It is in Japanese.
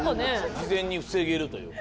事前に防げるというか。